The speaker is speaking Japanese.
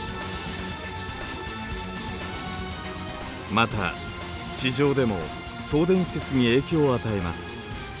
また地上でも送電施設に影響を与えます。